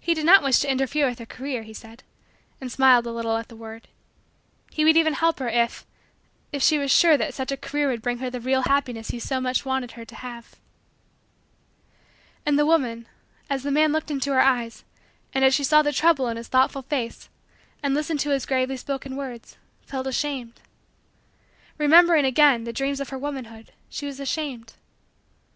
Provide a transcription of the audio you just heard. He did not wish to interfere with her career, he said and smiled a little at the word. He would even help her if if she was sure that such a career would bring her the real happiness he so much wanted her to have. And the woman, as the man looked into her eyes and as she saw the trouble in his thoughtful face and listened to his gravely spoken words, felt ashamed. Remembering, again, the dreams of her womanhood, she was ashamed.